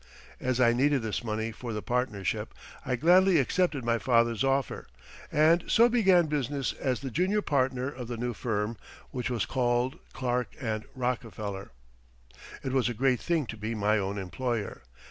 As I needed this money for the partnership, I gladly accepted my father's offer, and so began business as the junior partner of the new firm, which was called Clark & Rockefeller. It was a great thing to be my own employer.